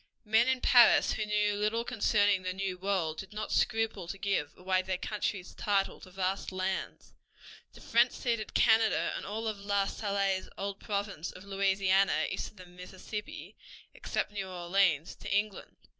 Men in Paris who knew little concerning the new world did not scruple to give away their country's title to vast lands. The French ceded Canada and all of La Salle's old province of Louisiana east of the Mississippi, except New Orleans, to England.